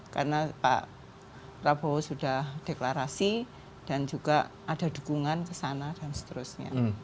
karena pak prabowo sudah deklarasi dan juga ada dukungan ke sana dan seterusnya